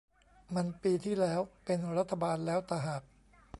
มันปีที่แล้ว เป็นรัฐบาลแล้วตะหาก